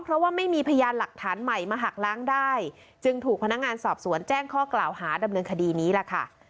เพราะว่าไม่มีพยานหลักฐานใหม่มาหักล้างได้จึงถูกพนักงานสอบสวนแจ้งข้อกล่าวหาดำเนินคดีนี้ล่ะค่ะ